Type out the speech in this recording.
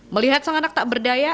melihat sang anak tak berdaya